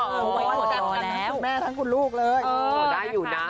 อ๋อแม่ทั้งคุณลูกเลย